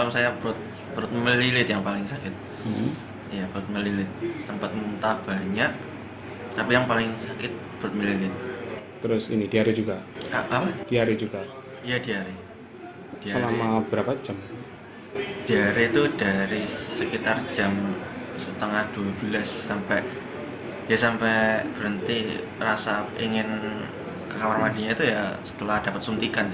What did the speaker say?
saya berhenti rasa ingin ke kamar madinya itu ya setelah dapat suntikan